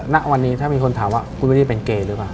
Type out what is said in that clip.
ณวันนี้ถ้ามีคนถามว่าคุณไม่ได้เป็นเกย์หรือเปล่า